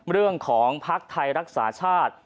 เรื่องของพรรคไทยรักษาชาติ